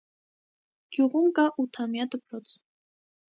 Գյուղում կա ութամյա դպրոց։